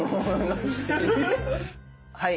はい。